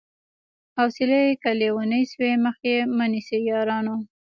حوصلې که ليونۍ سوې مخ يې مه نيسئ يارانو